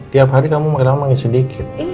tiap hari kamu makin lama makin sedikit